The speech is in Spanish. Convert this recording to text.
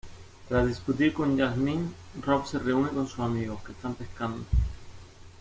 Tras discutir con Jasmine, Rob se reúne con sus amigos, que están pescando.